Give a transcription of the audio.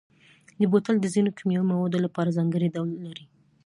بوتل د ځینو کیمیاوي موادو لپاره ځانګړی ډول لري.